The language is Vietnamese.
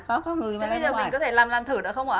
à thế bây giờ mình có thể làm làm thử được không ạ